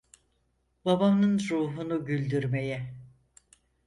Babamın ruhunu güldürmeye…